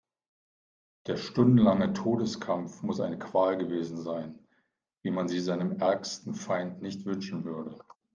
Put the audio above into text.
Der stundenlange Todeskampf muss eine Qual gewesen sein, wie man sie seinem ärgsten Feind nicht wünschen würde.